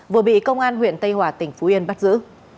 vừa bị công an huyện tây hòa tỉnh phú yên bắt giữ